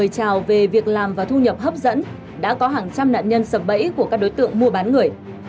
chào về việc làm và thu nhập hấp dẫn đã có hàng trăm nạn nhân sập bẫy của các đối tượng mua bán người